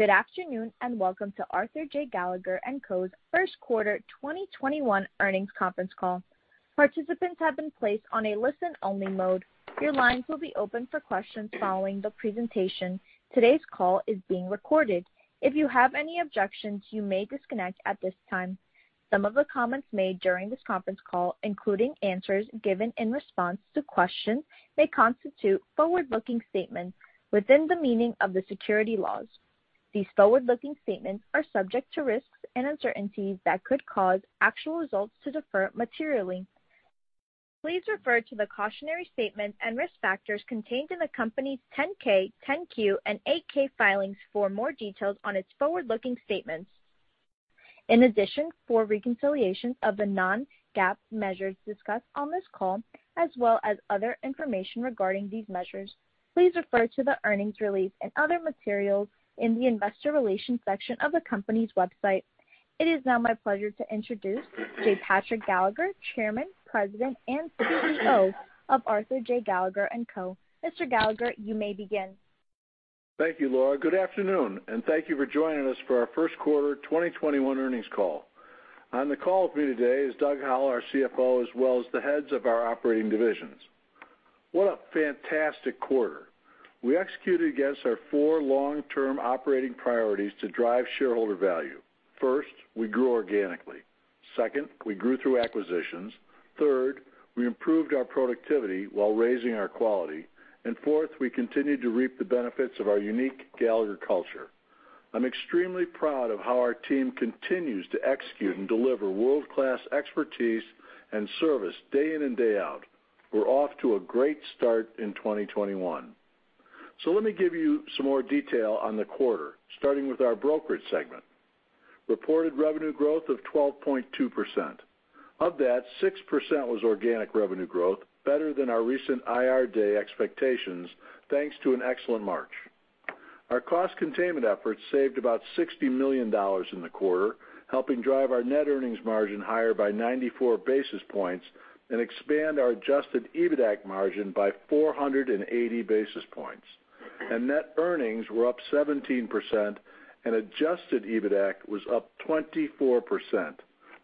Good afternoon, and welcome to Arthur J. Gallagher & Co.'s First Quarter 2021 Earnings Conference Call. Participants have been placed on a listen-only mode. Your lines will be open for questions following the presentation. Today's call is being recorded. If you have any objections, you may disconnect at this time. Some of the comments made during this conference call, including answers given in response to questions, may constitute forward-looking statements within the meaning of the security laws. These forward-looking statements are subject to risks and uncertainties that could cause actual results to differ materially. Please refer to the cautionary statements and risk factors contained in the company's 10-K, 10-Q, and 8-K filings for more details on its forward-looking statements. For reconciliation of the non-GAAP measures discussed on this call, as well as other information regarding these measures, please refer to the earnings release and other materials in the investor relations section of the company's website. It is now my pleasure to introduce J. Patrick Gallagher, Chairman, President, and CEO of Arthur J. Gallagher & Co. Mr. Gallagher, you may begin. Thank you, Laura. Good afternoon, and thank you for joining us for our first quarter 2021 earnings call. On the call with me today is Doug Howell, our CFO, as well as the heads of our operating divisions. What a fantastic quarter. We executed against our four long-term operating priorities to drive shareholder value. First, we grew organically. Second, we grew through acquisitions. Third, we improved our productivity while raising our quality. Fourth, we continued to reap the benefits of our unique Gallagher culture. I'm extremely proud of how our team continues to execute and deliver world-class expertise and service day in and day out. We're off to a great start in 2021. Let me give you some more detail on the quarter, starting with our brokerage segment. Reported revenue growth of 12.2%. Of that, 6% was organic revenue growth, better than our recent IR Day expectations, thanks to an excellent March. Our cost containment efforts saved about $60 million in the quarter, helping drive our net earnings margin higher by 94 basis points and expand our adjusted EBITDA margin by 480 basis points. Net earnings were up 17% and adjusted EBITDA was up 24%,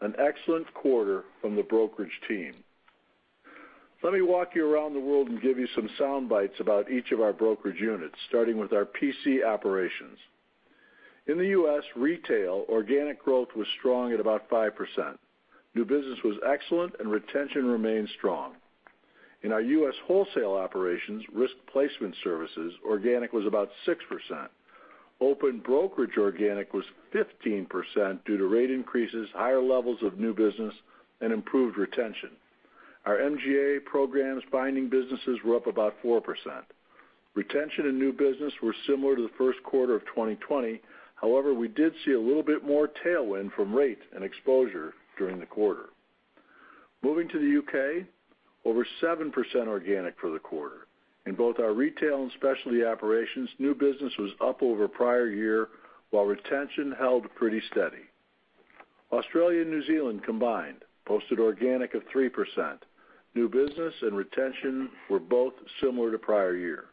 an excellent quarter from the brokerage team. Let me walk you around the world and give you some soundbites about each of our brokerage units, starting with our P&C operations. In the U.S. retail, organic growth was strong at about 5%. New business was excellent, and retention remained strong. In our U.S. wholesale operations Risk Placement Services, organic was about 6%. Open brokerage organic was 15% due to rate increases, higher levels of new business, and improved retention. Our MGA programs binding businesses were up about 4%. Retention and new business were similar to the first quarter of 2020. However, we did see a little bit more tailwind from rate and exposure during the quarter. Moving to the U.K., over 7% organic for the quarter. In both our retail and specialty operations, new business was up over prior year, while retention held pretty steady. Australia and New Zealand combined posted organic of 3%. New business and retention were both similar to prior year.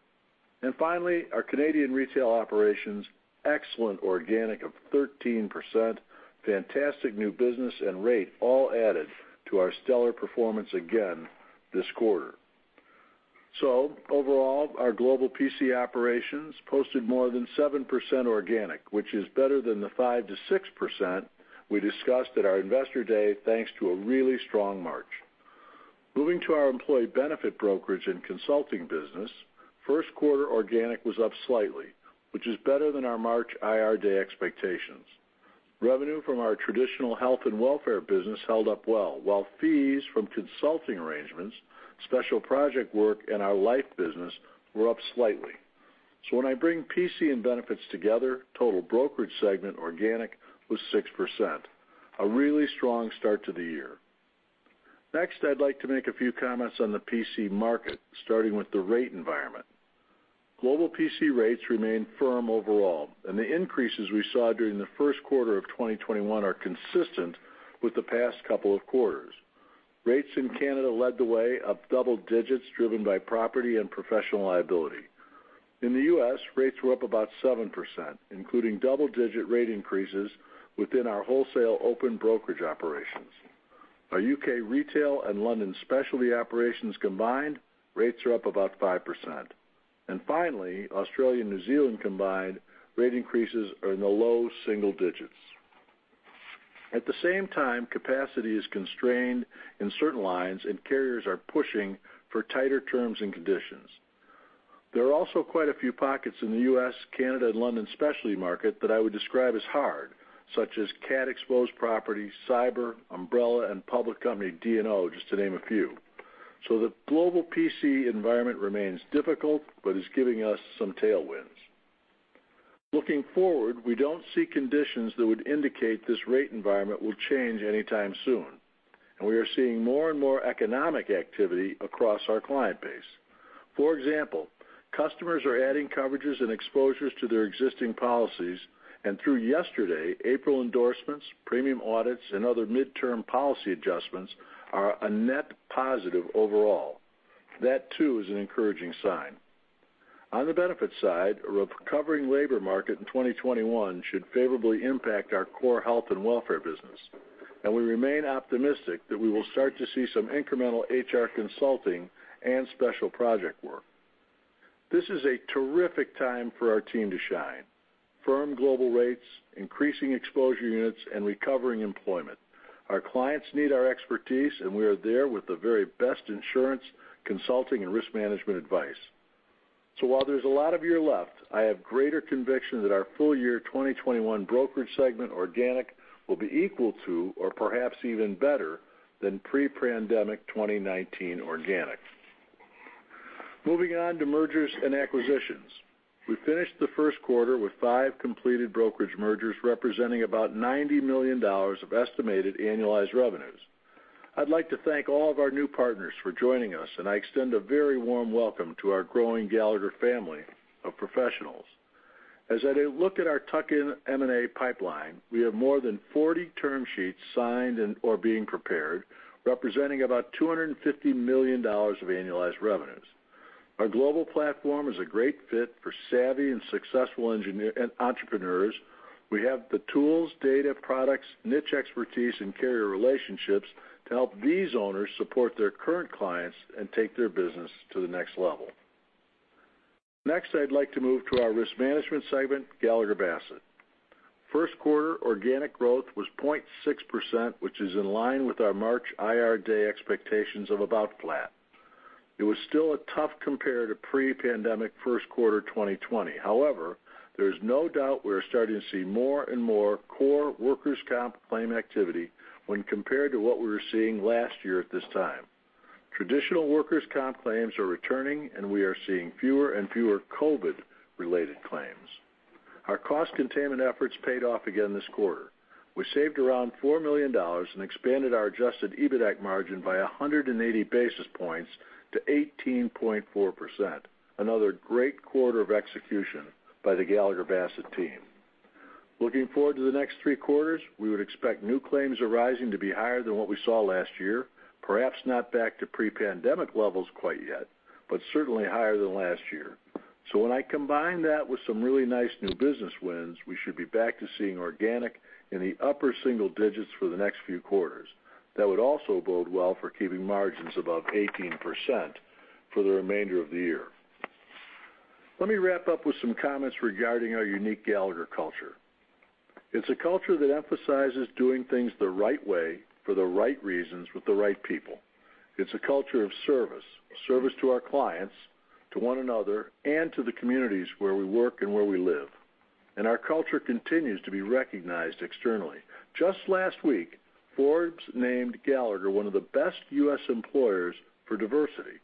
Finally, our Canadian retail operations, excellent organic of 13%, fantastic new business, and rate all added to our stellar performance again this quarter. Overall, our global P&C operations posted more than 7% organic, which is better than the 5%-6% we discussed at our IR Day, thanks to a really strong March. Moving to our employee benefit brokerage and consulting business, first quarter organic was up slightly, which is better than our March IR Day expectations. Revenue from our traditional health and welfare business held up well, while fees from consulting arrangements, special project work, and our life business were up slightly. When I bring P&C and benefits together, total brokerage segment organic was 6%, a really strong start to the year. Next, I'd like to make a few comments on the P&C market, starting with the rate environment. Global P&C rates remain firm overall, and the increases we saw during the first quarter of 2021 are consistent with the past couple of quarters. Rates in Canada led the way up double digits, driven by property and professional liability. In the U.S., rates were up about 7%, including double-digit rate increases within our wholesale open brokerage operations. Our U.K. retail and London specialty operations combined, rates are up about 5%. Finally, Australia and New Zealand combined, rate increases are in the low single digits. At the same time, capacity is constrained in certain lines. Carriers are pushing for tighter terms and conditions. There are also quite a few pockets in the U.S., Canada, and London specialty market that I would describe as hard, such as cat-exposed property, cyber, umbrella, and public company D&O, just to name a few. The global P&C environment remains difficult but is giving us some tailwinds. Looking forward, we don't see conditions that would indicate this rate environment will change anytime soon. We are seeing more and more economic activity across our client base. For example, customers are adding coverages and exposures to their existing policies, through yesterday, April endorsements, premium audits, and other midterm policy adjustments are a net positive overall. That too is an encouraging sign. On the benefit side, a recovering labor market in 2021 should favorably impact our core health and welfare business, we remain optimistic that we will start to see some incremental HR consulting and special project work. This is a terrific time for our team to shine. Firm global rates, increasing exposure units, and recovering employment. Our clients need our expertise, we are there with the very best insurance consulting and risk management advice. While there's a lot of year left, I have greater conviction that our full-year 2021 brokerage segment organic will be equal to or perhaps even better than pre-pandemic 2019 organic. Moving on to mergers and acquisitions. We finished the first quarter with five completed brokerage mergers representing about $90 million of estimated annualized revenues. I'd like to thank all of our new partners for joining us, and I extend a very warm welcome to our growing Gallagher family of professionals. As I look at our tuck-in M&A pipeline, we have more than 40 term sheets signed or being prepared, representing about $250 million of annualized revenues. Our global platform is a great fit for savvy and successful entrepreneurs. We have the tools, data, products, niche expertise, and carrier relationships to help these owners support their current clients and take their business to the next level. Next, I'd like to move to our risk management segment, Gallagher Bassett. First quarter organic growth was 0.6%, which is in line with our March IR Day expectations of about flat. It was still a tough compare to pre-pandemic first quarter 2020. There's no doubt we are starting to see more and more core workers' comp claim activity when compared to what we were seeing last year at this time. Traditional workers' comp claims are returning, and we are seeing fewer and fewer COVID-related claims. Our cost containment efforts paid off again this quarter. We saved around $4 million and expanded our adjusted EBITDA margin by 180 basis points to 18.4%. Another great quarter of execution by the Gallagher Bassett team. Looking forward to the next three quarters, we would expect new claims arising to be higher than what we saw last year, perhaps not back to pre-pandemic levels quite yet, but certainly higher than last year. When I combine that with some really nice new business wins, we should be back to seeing organic in the upper single digits for the next few quarters. That would also bode well for keeping margins above 18% for the remainder of the year. Let me wrap up with some comments regarding our unique Gallagher culture. It's a culture that emphasizes doing things the right way for the right reasons with the right people. It's a culture of service to our clients, to one another, and to the communities where we work and where we live. Our culture continues to be recognized externally. Just last week, Forbes named Gallagher one of the best U.S. employers for diversity,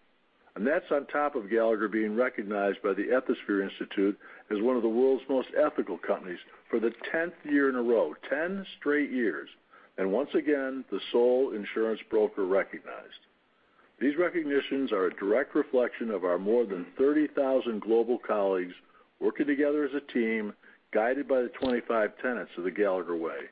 and that's on top of Gallagher being recognized by the Ethisphere Institute as one of the world's most ethical companies for the 10th year in a row, 10 straight years. Once again, the sole insurance broker recognized. These recognitions are a direct reflection of our more than 30,000 global colleagues working together as a team, guided by the 25 tenets of The Gallagher Way.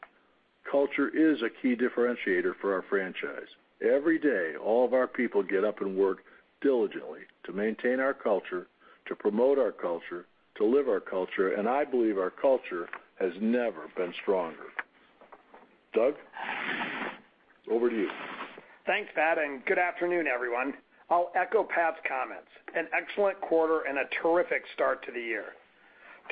Culture is a key differentiator for our franchise. Every day, all of our people get up and work diligently to maintain our culture, to promote our culture, to live our culture, and I believe our culture has never been stronger. Doug, over to you. Thanks, Pat. Good afternoon, everyone. I'll echo Pat's comments. An excellent quarter and a terrific start to the year.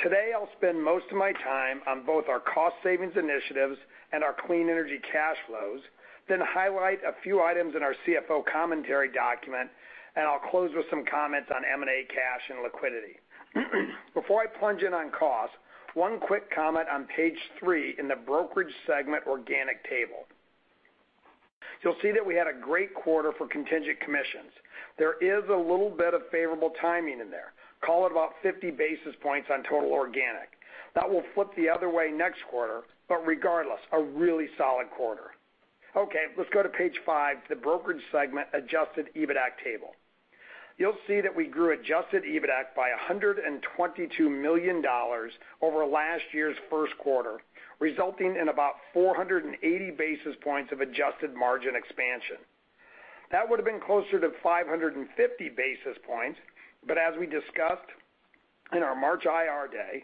Today, I'll spend most of my time on both our cost savings initiatives and our clean energy cash flows, then highlight a few items in our CFO commentary document, and I'll close with some comments on M&A cash and liquidity. Before I plunge in on cost, one quick comment on page three in the brokerage segment organic table. You'll see that we had a great quarter for contingent commissions. There is a little bit of favorable timing in there. Call it about 50 basis points on total organic. That will flip the other way next quarter. Regardless, a really solid quarter. Okay, let's go to page five, the brokerage segment adjusted EBITDA table. You'll see that we grew adjusted EBITDA by $122 million over last year's first quarter, resulting in about 480 basis points of adjusted margin expansion. That would have been closer to 550 basis points, but as we discussed in our March IR Day,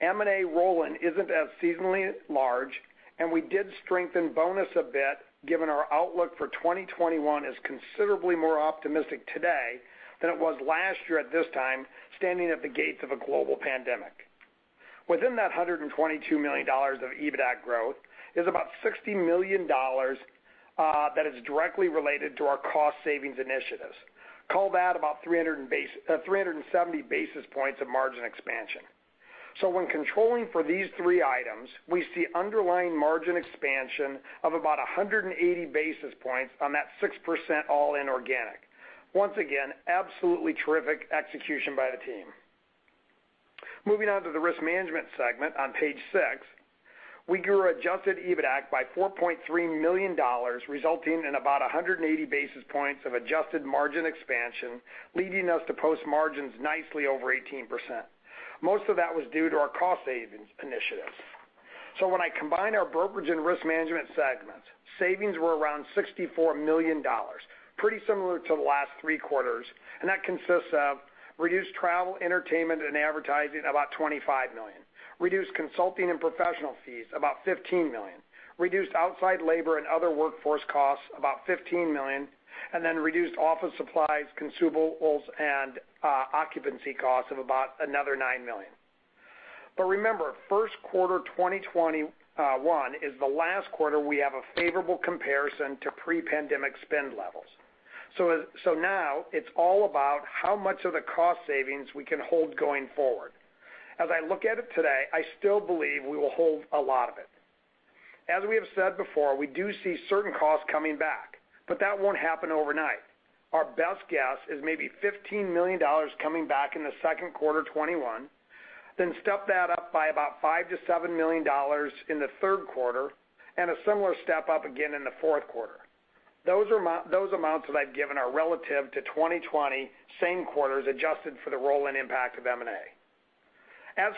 M&A roll-in isn't as seasonally large, and we did strengthen bonus a bit, given our outlook for 2021 is considerably more optimistic today than it was last year at this time, standing at the gates of a global pandemic. Within that $122 million of EBITDA growth is about $60 million that is directly related to our cost savings initiatives. Call that about 370 basis points of margin expansion. When controlling for these three items, we see underlying margin expansion of about 180 basis points on that 6% all-in organic. Once again, absolutely terrific execution by the team. Moving on to the risk management segment on page six. We grew adjusted EBITDA by $4.3 million, resulting in about 180 basis points of adjusted margin expansion, leading us to post margins nicely over 18%. Most of that was due to our cost savings initiatives. When I combine our brokerage and risk management segments, savings were around $64 million, pretty similar to the last three quarters, and that consists of reduced travel, entertainment, and advertising, about $25 million. Reduced consulting and professional fees, about $15 million. Reduced outside labor and other workforce costs, about $15 million, reduced office supplies, consumables, and occupancy costs of about another $9 million. Remember, first quarter 2021 is the last quarter we have a favorable comparison to pre-pandemic spend levels. Now it's all about how much of the cost savings we can hold going forward. As I look at it today, I still believe we will hold a lot of it. As we have said before, we do see certain costs coming back, but that won't happen overnight. Our best guess is maybe $15 million coming back in the second quarter 2021, then step that up by about $5 million-$7 million in the third quarter, and a similar step-up again in the fourth quarter. Those amounts that I've given are relative to 2020 same quarters, adjusted for the roll and impact of M&A.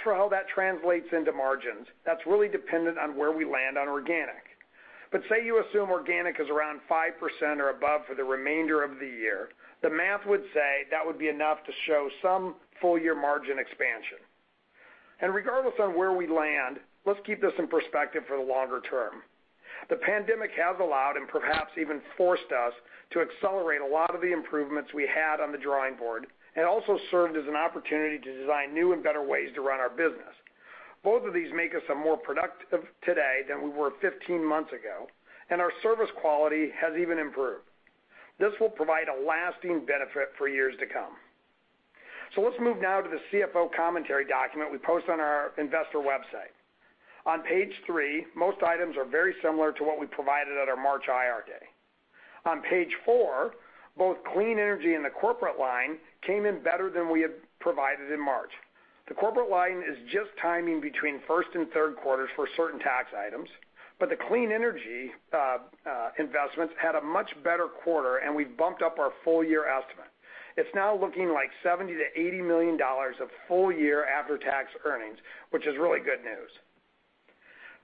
Say you assume organic is around 5% or above for the remainder of the year, the math would say that would be enough to show some full year margin expansion. Regardless of where we land, let's keep this in perspective for the longer term. The pandemic has allowed and perhaps even forced us to accelerate a lot of the improvements we had on the drawing board, and it also served as an opportunity to design new and better ways to run our business. Both of these make us more productive today than we were 15 months ago, and our service quality has even improved. This will provide a lasting benefit for years to come. Let's move now to the CFO commentary document we post on our investor website. On page three, most items are very similar to what we provided at our March IR Day. On page four, both clean energy and the corporate line came in better than we had provided in March. The corporate line is just timing between first and third quarters for certain tax items, but the clean energy investments had a much better quarter and we've bumped up our full-year estimate. It's now looking like $70 million-$80 million of full-year after-tax earnings, which is really good news.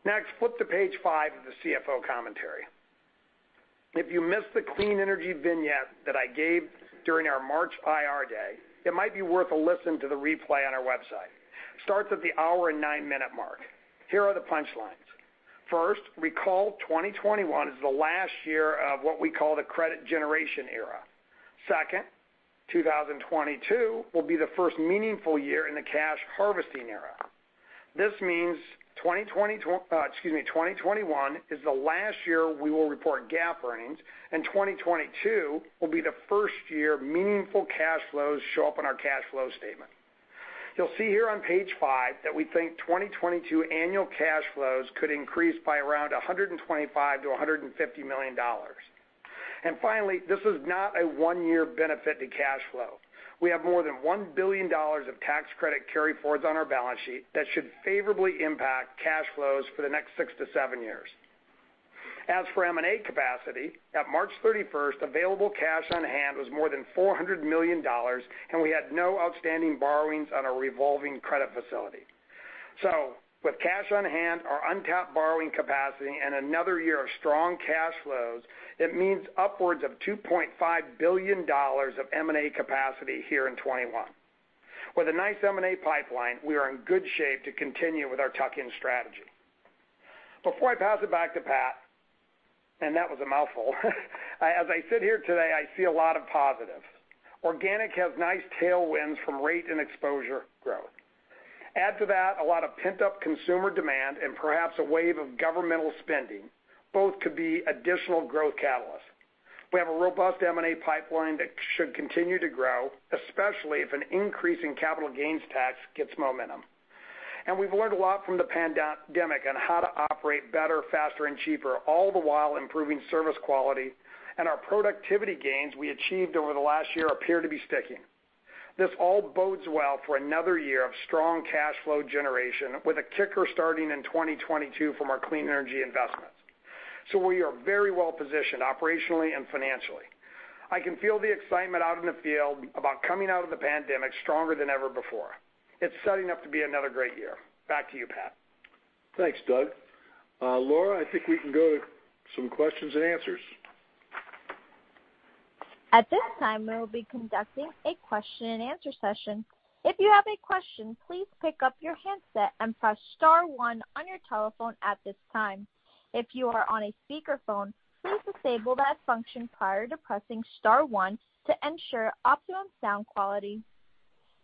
Next, flip to page five of the CFO commentary. If you missed the clean energy vignette that I gave during our March IR Day, it might be worth a listen to the replay on our website. Starts at the hour and nine-minute mark. Here are the punchlines. First, recall 2021 is the last year of what we call the credit generation era. Second, 2022 will be the first meaningful year in the cash harvesting era. This means 2021 is the last year we will report GAAP earnings, and 2022 will be the first year meaningful cash flows show up on our cash flow statement. You'll see here on page five that we think 2022 annual cash flows could increase by around $125 million-$150 million. Finally, this is not a one-year benefit to cash flow. We have more than $1 billion of tax credit carryforwards on our balance sheet that should favorably impact cash flows for the next six to seven years. As for M&A capacity, at March 31st, available cash on hand was more than $400 million, and we had no outstanding borrowings on our revolving credit facility. With cash on hand, our untapped borrowing capacity, and another year of strong cash flows, it means upwards of $2.5 billion of M&A capacity here in 2021. With a nice M&A pipeline, we are in good shape to continue with our tuck-in strategy. Before I pass it back to Pat, and that was a mouthful, as I sit here today, I see a lot of positives. Organic has nice tailwinds from rate and exposure growth. Add to that a lot of pent-up consumer demand and perhaps a wave of governmental spending. Both could be additional growth catalysts. We have a robust M&A pipeline that should continue to grow, especially if an increase in capital gains tax gets momentum. We've learned a lot from the pandemic on how to operate better, faster, and cheaper, all the while improving service quality, and our productivity gains we achieved over the last year appear to be sticking. This all bodes well for another year of strong cash flow generation with a kicker starting in 2022 from our clean energy investments. We are very well-positioned operationally and financially. I can feel the excitement out in the field about coming out of the pandemic stronger than ever before. It's setting up to be another great year. Back to you, Pat. Thanks, Doug. Laura, I think we can go to some questions-and-answers. At this time, we will be conducting a question-and-answer session. If you have a question, please pick up your handset and press star one on your telephone at this time. If you are on a speakerphone, please disable that function prior to pressing star one to ensure optimal sound quality.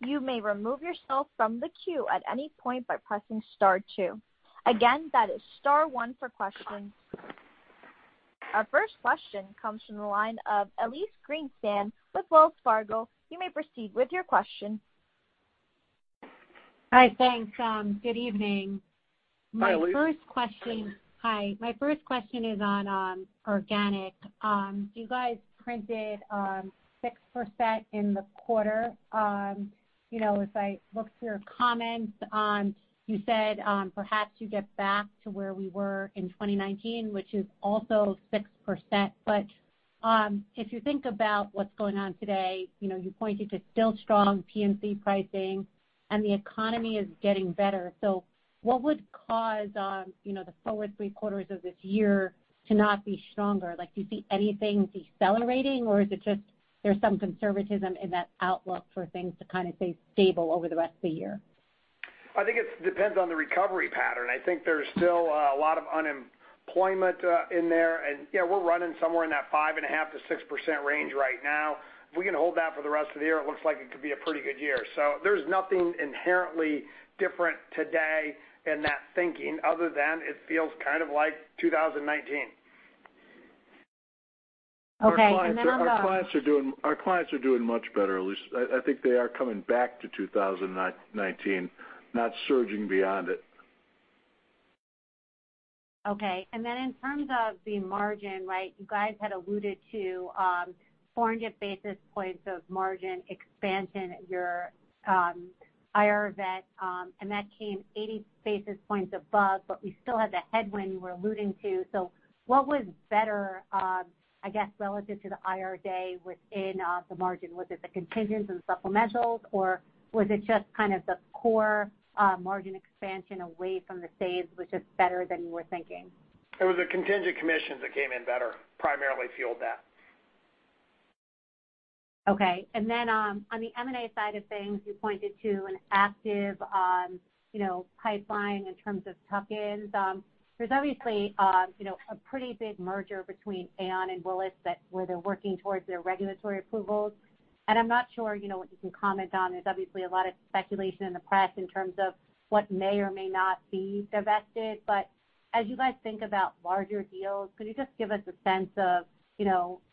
You may remove yourself from the queue at any point by pressing star two. Again, that is star one for questions. Our first question comes from the line of Elyse Greenspan with Wells Fargo. You may proceed with your question. Hi. Thanks. Good evening. Hi, Elyse. Hi. My first question is on organic. You guys printed 6% in the quarter. As I looked through your comments, you said perhaps you get back to where we were in 2019, which is also 6%. If you think about what's going on today, you pointed to still strong P&C pricing and the economy is getting better. What would cause the forward three quarters of this year to not be stronger? Do you see anything decelerating or is it just there's some conservatism in that outlook for things to kind of stay stable over the rest of the year? I think it depends on the recovery pattern. I think there's still a lot of unemployment in there. We're running somewhere in that 5.5%-6% range right now. If we can hold that for the rest of the year, it looks like it could be a pretty good year. There's nothing inherently different today in that thinking other than it feels kind of like 2019. Okay. On the- Our clients are doing much better, Elyse. I think they are coming back to 2019, not surging beyond it. Okay. Then in terms of the margin, you guys had alluded to 400 basis points of margin expansion at your IR event, and that came 80 basis points above. We still have the headwind you were alluding to. What was better, I guess, relative to the IR Day within the margin? Was it the contingents and supplementals, or was it just kind of the core margin expansion away from the saves, which is better than you were thinking? It was the contingent commissions that came in better, primarily fueled that. Okay. Then on the M&A side of things, you pointed to an active pipeline in terms of tuck-ins. There's obviously a pretty big merger between Aon and Willis where they're working towards their regulatory approvals, and I'm not sure what you can comment on. There's obviously a lot of speculation in the press in terms of what may or may not be divested. As you guys think about larger deals, could you just give us a sense of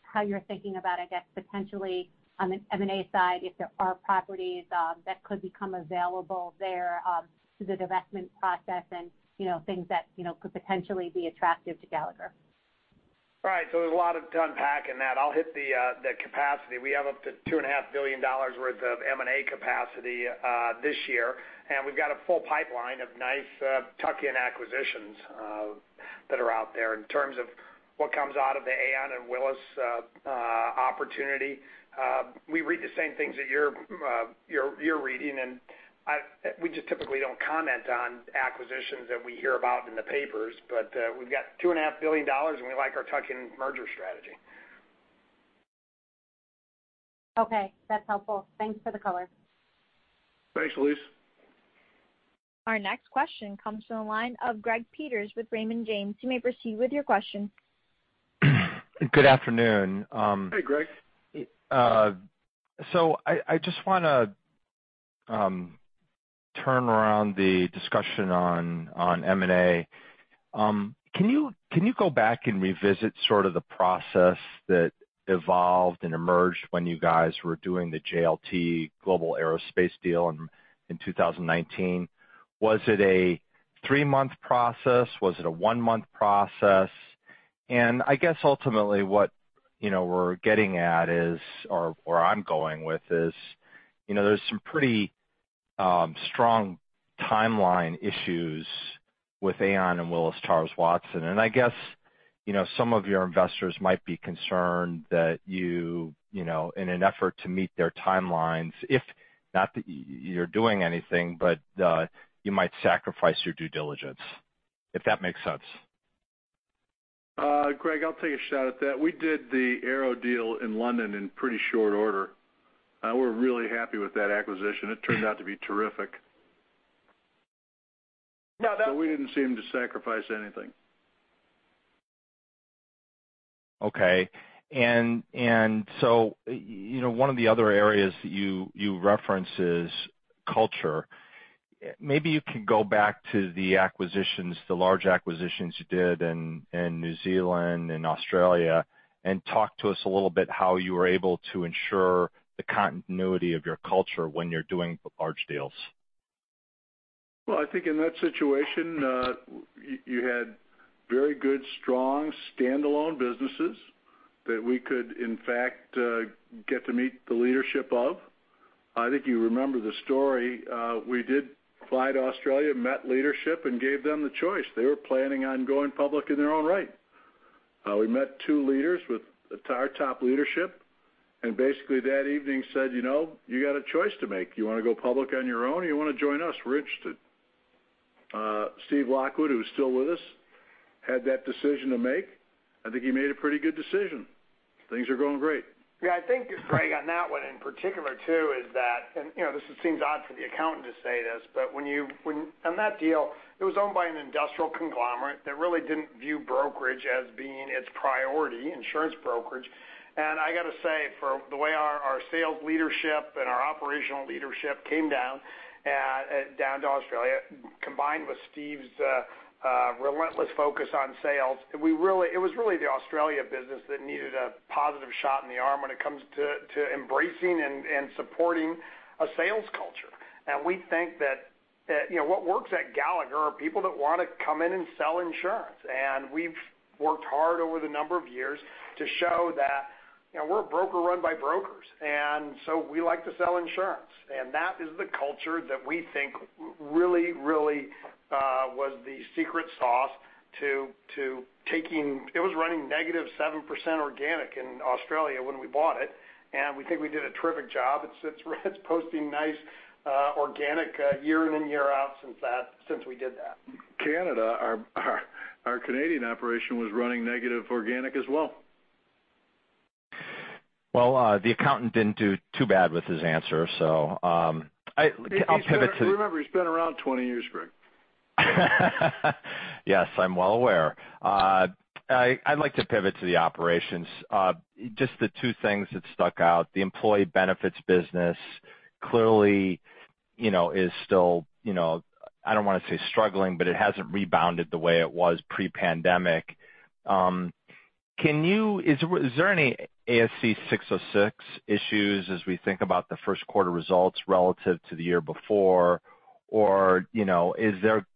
how you're thinking about, I guess, potentially on the M&A side, if there are properties that could become available there through the divestment process and things that could potentially be attractive to Gallagher? Right. There's a lot to unpack in that. I'll hit the capacity. We have up to $2.5 billion worth of M&A capacity this year, and we've got a full pipeline of nice tuck-in acquisitions that are out there. In terms of what comes out of the Aon and Willis opportunity, we read the same things that you're reading, and we just typically don't comment on acquisitions that we hear about in the papers. We've got $2.5 billion, and we like our tuck-in merger strategy. Okay. That's helpful. Thanks for the color. Thanks, Elyse. Our next question comes from the line of Greg Peters with Raymond James. You may proceed with your question. Good afternoon. Hey, Greg. I just want to turn around the discussion on M&A. Can you go back and revisit sort of the process that evolved and emerged when you guys were doing the JLT global aerospace deal in 2019? Was it a three-month process? Was it a one-month process? I guess ultimately what we're getting at is, or I'm going with is, there's some pretty strong timeline issues with Aon and Willis Towers Watson. I guess some of your investors might be concerned that you, in an effort to meet their timelines, not that you're doing anything, but you might sacrifice your due diligence, if that makes sense. Greg, I'll take a shot at that. We did the Aero deal in London in pretty short order. We're really happy with that acquisition. It turned out to be terrific. No. We didn't seem to sacrifice anything. Okay. One of the other areas that you reference is culture. Maybe you can go back to the acquisitions, the large acquisitions you did in New Zealand and Australia, and talk to us a little bit how you were able to ensure the continuity of your culture when you're doing large deals. Well, I think in that situation, you had very good, strong, standalone businesses that we could in fact get to meet the leadership of. I think you remember the story. We did fly to Australia, met leadership, and gave them the choice. They were planning on going public in their own right. We met two leaders with our top leadership, and basically that evening said, "You got a choice to make. You want to go public on your own or you want to join us? We're interested." Steve Lockwood, who's still with us, had that decision to make. I think he made a pretty good decision. Things are going great. Yeah, I think, Greg, on that one in particular, too, is that, and this seems odd for the accountant to say this, but on that deal, it was owned by an industrial conglomerate that really didn't view brokerage as being its priority, insurance brokerage. I got to say, for the way our sales leadership and our operational leadership came down to Australia, combined with Steve's relentless focus on sales, it was really the Australia business that needed a positive shot in the arm when it comes to embracing and supporting a sales culture. We think that what works at Gallagher are people that want to come in and sell insurance. We've worked hard over the number of years to show that we're a broker run by brokers, we like to sell insurance. That is the culture that we think really was the secret sauce to taking It was running negative 7% organic in Australia when we bought it, and we think we did a terrific job. It's posting nice organic year in and year out since we did that. Canada, our Canadian operation was running negative organic as well. Well, the accountant didn't do too bad with his answer, so I'll pivot to. Remember, he's been around 20 years, Greg. Yes, I'm well aware. I'd like to pivot to the operations. Just the two things that stuck out, the employee benefits business clearly is still, I don't want to say struggling, but it hasn't rebounded the way it was pre-pandemic. Is there any ASC 606 issues as we think about the first quarter results relative to the year before? Is it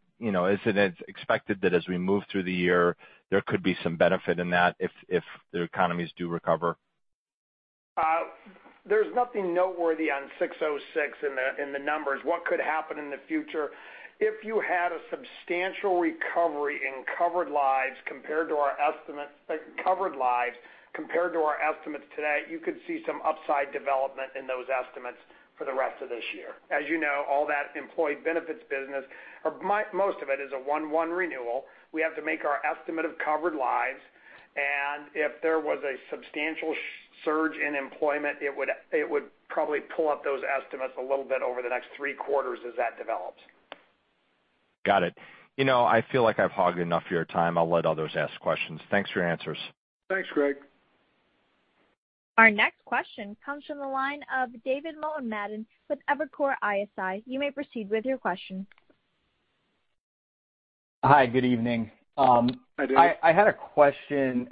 expected that as we move through the year, there could be some benefit in that if the economies do recover? There's nothing noteworthy on 606 in the numbers. What could happen in the future, if you had a substantial recovery in covered lives compared to our estimates today, you could see some upside development in those estimates for the rest of this year. As you know, all that employee benefits business, or most of it, is a one-one renewal. We have to make our estimate of covered lives, and if there was a substantial surge in employment, it would probably pull up those estimates a little bit over the next three quarters as that develops. Got it. I feel like I've hogged enough of your time. I'll let others ask questions. Thanks for your answers. Thanks, Greg. Our next question comes from the line of David Motemaden with Evercore ISI. You may proceed with your question. Hi, good evening. Hi, David. Hi. I had a question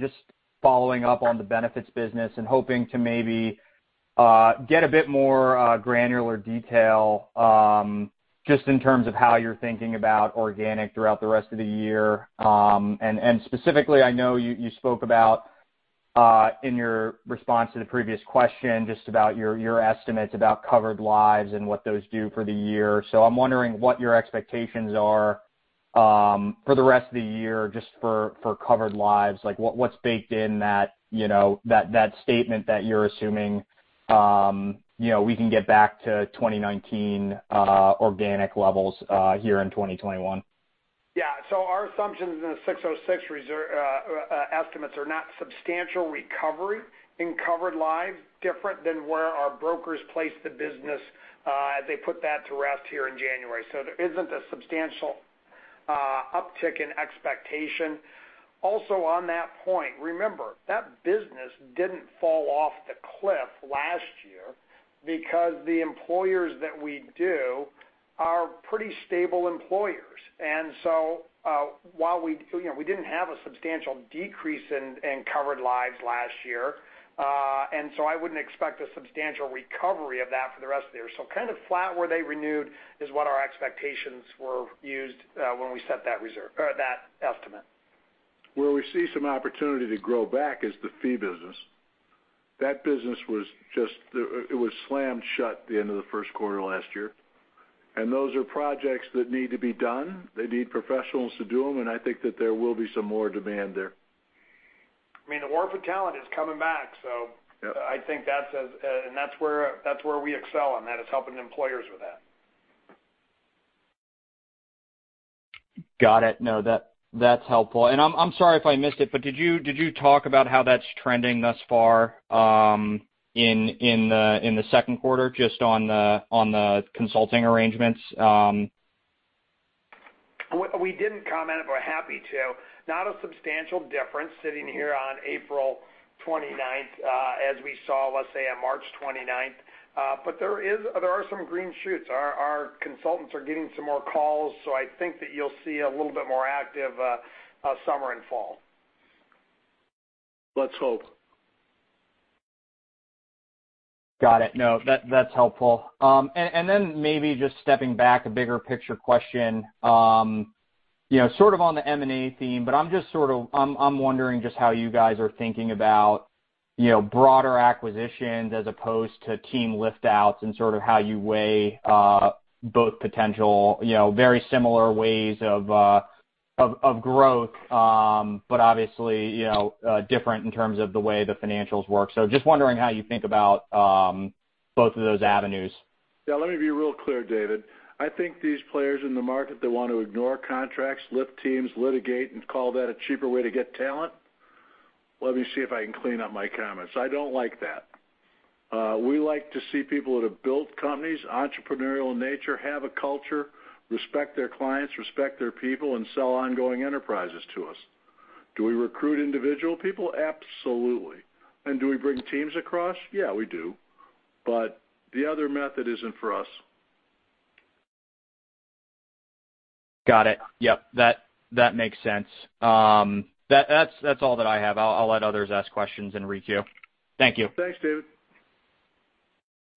just following up on the benefits business and hoping to maybe get a bit more granular detail, just in terms of how you're thinking about organic throughout the rest of the year. Specifically, I know you spoke about, in your response to the previous question, just about your estimates about covered lives and what those do for the year. I'm wondering what your expectations are for the rest of the year, just for covered lives. What's baked in that statement that you're assuming, we can get back to 2019 organic levels here in 2021? Our assumptions in the 606 estimates are not substantial recovery in covered lives, different than where our brokers placed the business as they put that to rest here in January. There isn't a substantial uptick in expectation. On that point, remember, that business didn't fall off the cliff last year because the employers that we do are pretty stable employers. We didn't have a substantial decrease in covered lives last year. I wouldn't expect a substantial recovery of that for the rest of the year. Kind of flat where they renewed is what our expectations were used when we set that estimate. Where we see some opportunity to grow back is the fee business. That business was slammed shut the end of the first quarter last year, and those are projects that need to be done. They need professionals to do them, and I think that there will be some more demand there. I mean, the war for talent is coming back. Yep I think that's where we excel on that, is helping employers with that. Got it. No, that's helpful. I'm sorry if I missed it, but did you talk about how that's trending thus far in the second quarter, just on the consulting arrangements? We didn't comment, but happy to. Not a substantial difference sitting here on April 29th as we saw, let's say, on March 29th. There are some green shoots. Our consultants are getting some more calls. I think that you'll see a little bit more active summer and fall. Let's hope. Got it. No, that's helpful. Maybe just stepping back, a bigger picture question, sort of on the M&A theme, but I'm wondering just how you guys are thinking about broader acquisitions as opposed to team lift-outs and sort of how you weigh both potential very similar ways of growth, but obviously different in terms of the way the financials work. Just wondering how you think about both of those avenues. Yeah, let me be real clear, David. I think these players in the market that want to ignore contracts, lift teams, litigate, and call that a cheaper way to get talent, let me see if I can clean up my comments. I don't like that. We like to see people that have built companies, entrepreneurial in nature, have a culture, respect their clients, respect their people, and sell ongoing enterprises to us. Do we recruit individual people? Absolutely. Do we bring teams across? Yeah, we do. The other method isn't for us. Got it. Yep, that makes sense. That's all that I have. I'll let others ask questions and requeue. Thank you. Thanks, David.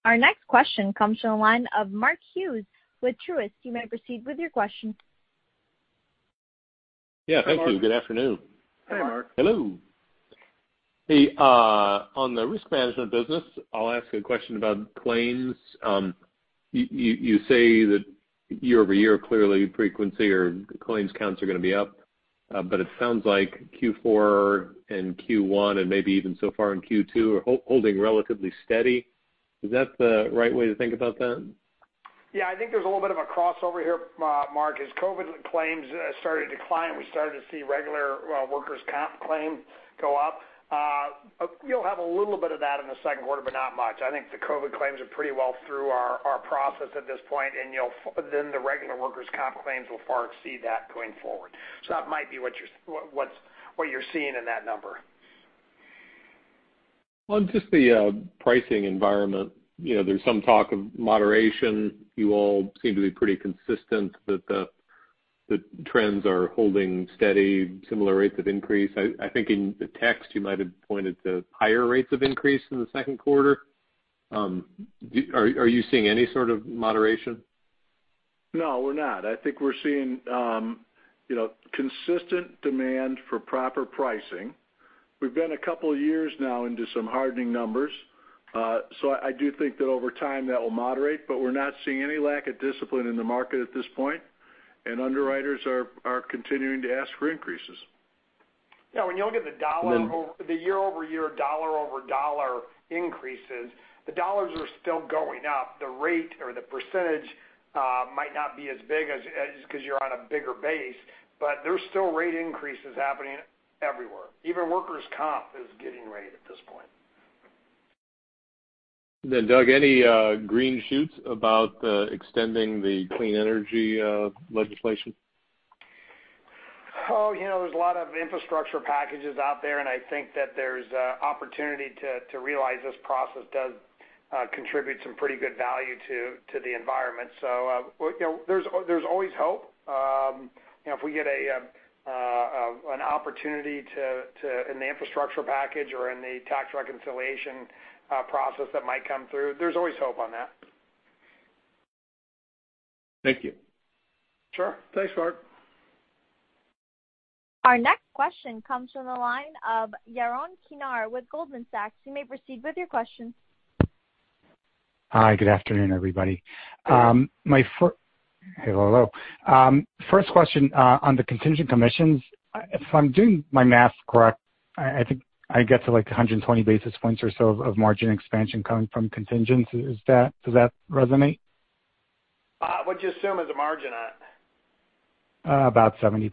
Our next question comes from the line of Mark Hughes with Truist. You may proceed with your question. Yeah. Thank you. Good afternoon. Hi, Mark. Hello. Hey, on the risk management business, I'll ask a question about claims. You say that year-over-year, clearly frequency or claims counts are going to be up, it sounds like Q4 and Q1, and maybe even so far in Q2, are holding relatively steady. Is that the right way to think about that? Yeah, I think there's a little bit of a crossover here, Mark. As COVID claims started to climb, we started to see regular workers' comp claims go up. You'll have a little bit of that in the second quarter, but not much. I think the COVID claims are pretty well through our process at this point, and then the regular workers' comp claims will far exceed that going forward. That might be what you're seeing in that number. On just the pricing environment, there's some talk of moderation. You all seem to be pretty consistent that the trends are holding steady, similar rates of increase. I think in the text, you might have pointed to higher rates of increase in the second quarter. Are you seeing any sort of moderation? No, we're not. I think we're seeing consistent demand for proper pricing. We've been a couple of years now into some hardening numbers. I do think that over time, that will moderate, but we're not seeing any lack of discipline in the market at this point, and underwriters are continuing to ask for increases. Then- The year-over-year, dollar-over-dollar increases, the dollars are still going up. The rate or the percentage might not be as big because you're on a bigger base, there's still rate increases happening everywhere. Even workers' comp is getting rate at this point. Doug, any green shoots about extending the clean energy legislation? There's a lot of infrastructure packages out there, and I think that there's opportunity to realize this process does contribute some pretty good value to the environment. There's always hope. If we get an opportunity in the infrastructure package or in the tax reconciliation process that might come through, there's always hope on that. Thank you. Sure. Thanks, Mark. Our next question comes from the line of Yaron Kinar with Goldman Sachs. You may proceed with your question. Hi, good afternoon, everybody. Hey. Hello. First question on the contingent commissions. If I'm doing my math correct, I think I get to 120 basis points or so of margin expansion coming from contingents. Does that resonate? What'd you assume as a margin at? About 70%.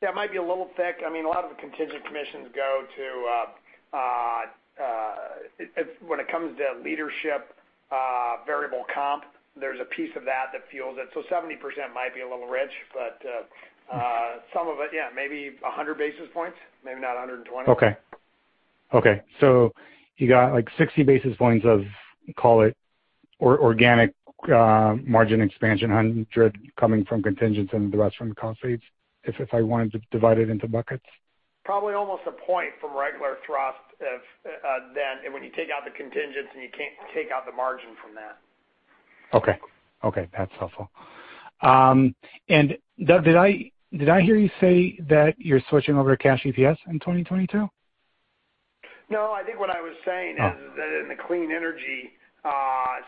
That might be a little thick. A lot of the contingent commissions go to, when it comes to leadership variable comp, there's a piece of that that fuels it. 70% might be a little rich, but some of it, yeah, maybe 100 basis points, maybe not 120. Okay. You got 60 basis points of, call it, organic margin expansion 100 coming from contingents and the rest from the cost saves, if I wanted to divide it into buckets? Probably almost a point from regular thrust of then, and when you take out the contingents, and you can't take out the margin from that. Okay. That's helpful. Doug, did I hear you say that you're switching over to cash EPS in 2022? I think what I was saying is that in the clean energy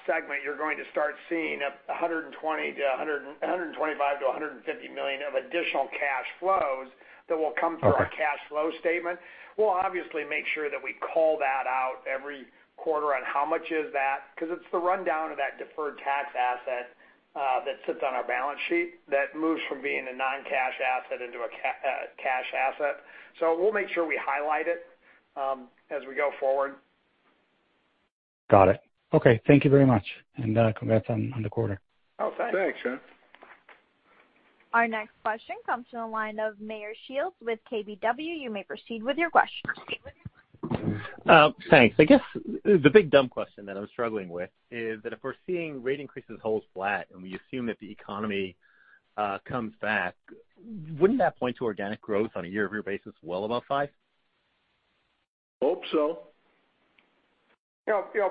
segment, you're going to start seeing $125 million-$150 million of additional cash flows that will come through our cash flow statement. We'll obviously make sure that we call that out every quarter on how much is that, because it's the rundown of that deferred tax asset that sits on our balance sheet that moves from being a non-cash asset into a cash asset. We'll make sure we highlight it as we go forward. Got it. Okay. Thank you very much, and congrats on the quarter. Oh, thanks. Thanks, Yaron. Our next question comes from the line of Meyer Shields with KBW. You may proceed with your question. Thanks. I guess the big dumb question that I'm struggling with is that if we're seeing rate increases hold flat, and we assume that the economy comes back, wouldn't that point to organic growth on a year-over-year basis well above five? Hope so.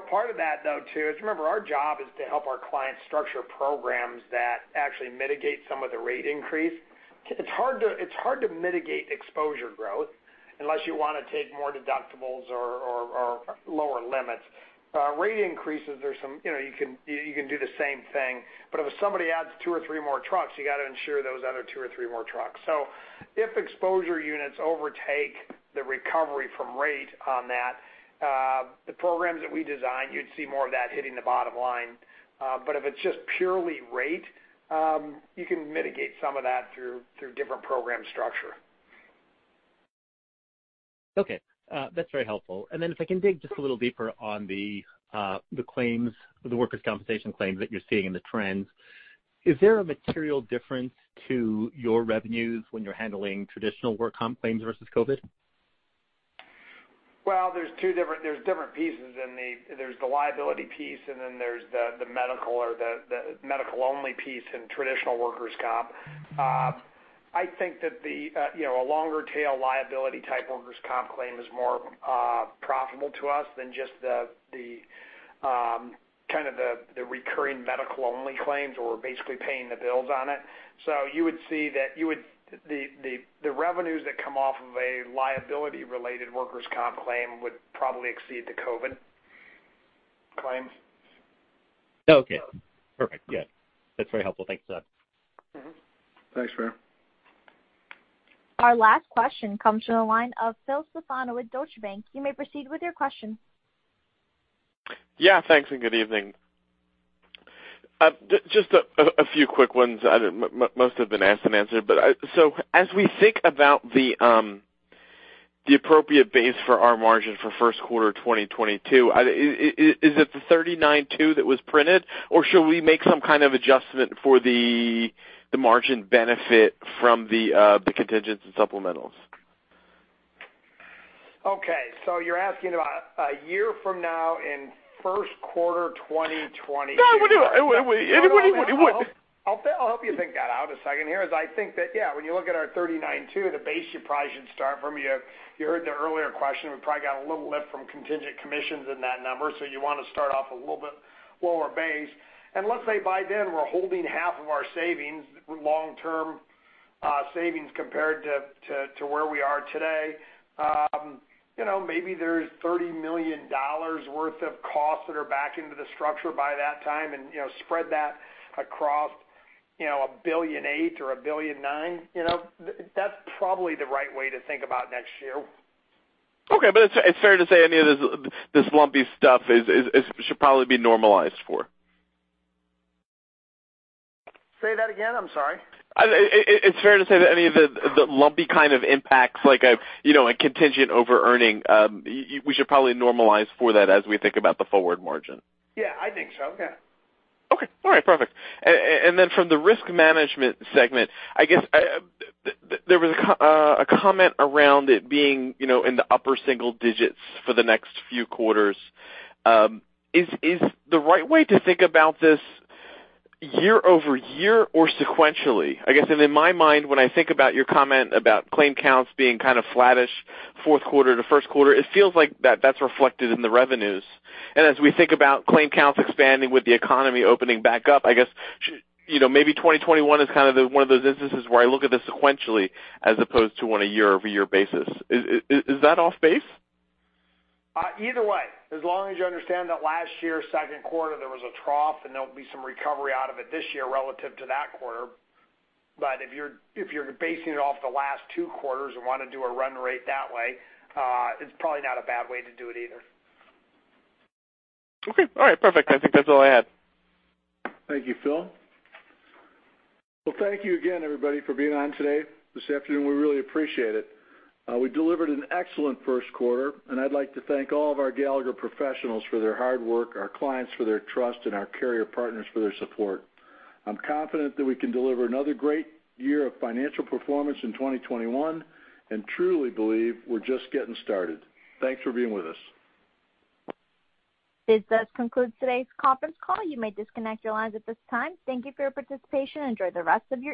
Part of that, though, too, is remember, our job is to help our clients structure programs that actually mitigate some of the rate increase. It's hard to mitigate exposure growth unless you want to take more deductibles or lower limits. Rate increases, you can do the same thing. If somebody adds two or three more trucks, you got to insure those other two or three more trucks. If exposure units overtake the recovery from rate on that, the programs that we design, you'd see more of that hitting the bottom line. If it's just purely rate, you can mitigate some of that through different program structure. Okay. That's very helpful. If I can dig just a little deeper on the workers' compensation claims that you're seeing in the trends. Is there a material difference to your revenues when you're handling traditional work comp claims versus COVID? Well, there's different pieces. There's the liability piece. Then there's the medical or the medical-only piece in traditional workers' comp. I think that a longer tail liability type workers' comp claim is more profitable to us than just the recurring medical only claims where we're basically paying the bills on it. You would see that the revenues that come off of a liability-related workers' comp claim would probably exceed the COVID claims. Okay. Perfect. Good. That's very helpful. Thanks for that. Thanks, Meyer. Our last question comes from the line of Phil Stefano with Deutsche Bank. You may proceed with your question. Yeah, thanks. Good evening. Just a few quick ones. Most have been asked and answered. As we think about the appropriate base for our margin for first quarter 2022, is it the 39.2% that was printed, or should we make some kind of adjustment for the margin benefit from the contingents and supplementals? Okay, you're asking about a year from now in first quarter 2022. [inaudible] I'll help you think that out a second here, as I think that, yeah, when you look at our 39.2, the base you probably should start from, you heard the earlier question, we probably got a little lift from contingent commissions in that number. You want to start off a little bit lower base. Let's say by then, we're holding half of our savings, long-term savings, compared to where we are today. Maybe there's $30 million worth of costs that are back into the structure by that time and spread that across $1.8 billion or $1.9 billion. That's probably the right way to think about next year. Okay, it's fair to say any of this lumpy stuff should probably be normalized for? Say that again? I'm sorry. It's fair to say that any of the lumpy kind of impacts, like a contingent overearning, we should probably normalize for that as we think about the forward margin. Yeah, I think so. Yeah. Okay. All right, perfect. From the risk management segment, I guess there was a comment around it being in the upper single digits for the next few quarters. Is the right way to think about this year-over-year or sequentially? I guess in my mind, when I think about your comment about claim counts being kind of flattish fourth quarter to first quarter, it feels like that's reflected in the revenues. As we think about claim counts expanding with the economy opening back up, I guess maybe 2021 is one of those instances where I look at this sequentially as opposed to on a year-over-year basis. Is that off base? Either way, as long as you understand that last year, second quarter, there was a trough, and there'll be some recovery out of it this year relative to that quarter. If you're basing it off the last two quarters and want to do a run rate that way, it's probably not a bad way to do it either. Okay. All right, perfect. I think that's all I had. Thank you, Phil. Well, thank you again, everybody, for being on today, this afternoon, we really appreciate it. We delivered an excellent first quarter, and I'd like to thank all of our Gallagher professionals for their hard work, our clients for their trust, and our carrier partners for their support. I'm confident that we can deliver another great year of financial performance in 2021 and truly believe we're just getting started. Thanks for being with us. This does conclude today's conference call. You may disconnect your lines at this time. Thank you for your participation. Enjoy the rest of your evening.